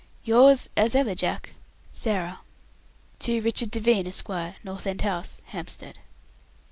"Yours as ever, Jack, "SARAH. "To Richard Devine, Esq., "North End House, "Hampstead."